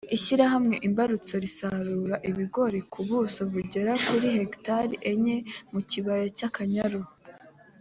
ishyirahamwe imbarutso risarura ibigori ku buso bugera kuri hegitari enye mu kibaya cy’akanyaru